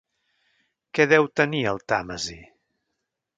¿Què deu tenir el Tàmesi?